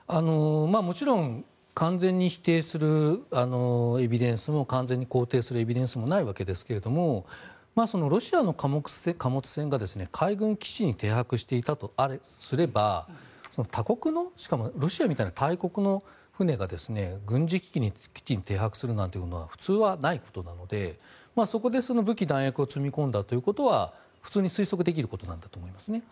もちろん完全に否定するエビデンスも完全に肯定するエビデンスもないわけですけれどもロシアの貨物船が海軍基地に停泊していたとすれば他国の、しかもロシアみたいな大国の船が軍事基地に停泊するなんていうのは普通はないことなのでそこで武器、弾薬を積み込んだということは普通に推測できることなんだと思いますね。